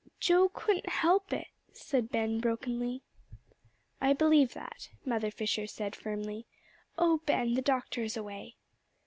"Joe couldn't help it," said Ben brokenly. "I believe that," Mother Fisher said firmly. "Oh Ben, the doctor is away."